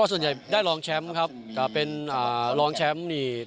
ส่วนใหญ่ได้รองแชมป์จะเป็นรองแชมป์